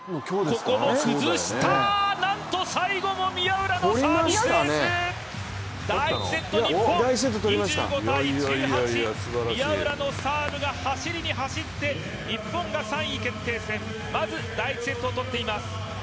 最後も宮浦のサービスエース、第１セット２５−１８、宮浦のサーブが走りに走って日本が３位決定戦まず第１セットを取っています。